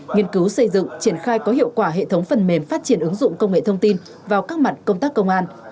nghiên cứu xây dựng triển khai có hiệu quả hệ thống phần mềm phát triển ứng dụng công nghệ thông tin vào các mặt công tác công an